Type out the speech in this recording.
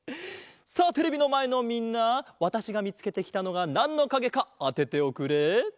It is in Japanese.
さあテレビのまえのみんなわたしがみつけてきたのがなんのかげかあてておくれ。